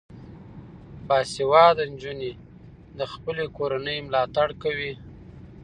باسواده نجونې د خپلې کورنۍ ملاتړ کوي.